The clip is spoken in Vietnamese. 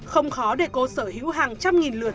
không khó để cô sở hữu hàng trăm nghìn lượt